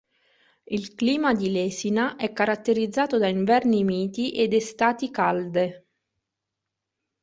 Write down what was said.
Il clima di Lesina è caratterizzato da inverni miti ed estati calde.